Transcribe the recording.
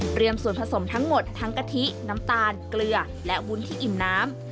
ส่วนผสมทั้งหมดทั้งกะทิน้ำตาลเกลือและวุ้นที่อิ่มน้ำ